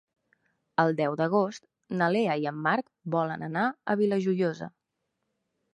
El deu d'agost na Lea i en Marc volen anar a la Vila Joiosa.